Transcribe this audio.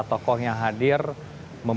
tidak adairan dalamaaa